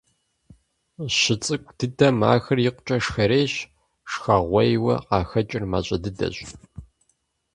ЩыцӀыкӀу дыдэм ахэр икъукӀэ шхэрейщ, шхэгъуейуэ къахэкӀыр мащӀэ дыдэщ.